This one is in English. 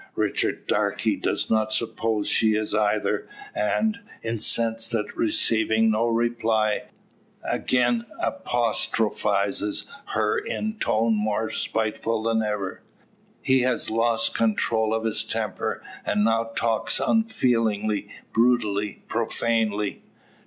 Richard Darke does not suppose she is either; and, incensed at receiving no reply, again apostrophises her in tone more spiteful than ever. He has lost control of his temper, and now talks unfeelingly, brutally, profanely.